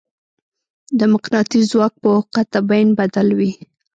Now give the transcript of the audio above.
د مقناطیس ځواک په قطبین بدل وي.